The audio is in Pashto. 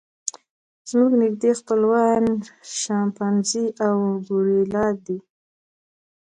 زموږ نږدې خپلوان شامپانزي او ګوریلا دي.